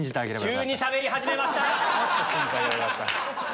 急にしゃべり始めました。